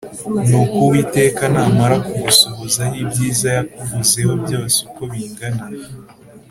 Nuko Uwiteka namara kugusohozaho ibyiza yakuvuzeho byose uko bingana